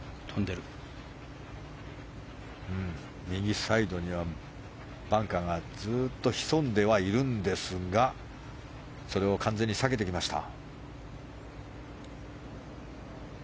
右サイドにはバンカーがずっと潜んではいるんですがそれを完全に避けてきました。